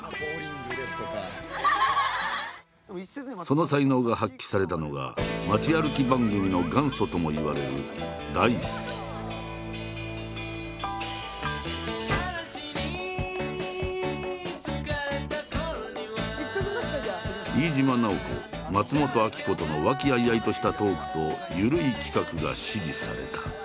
その才能が発揮されたのが街歩き番組の元祖ともいわれる飯島直子松本明子との和気あいあいとしたトークと緩い企画が支持された。